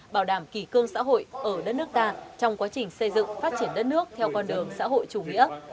bảo đảm kỷ cương xã hội ở đất nước ta trong quá trình xây dựng phát triển đất nước theo con đường xã hội chủ nghĩa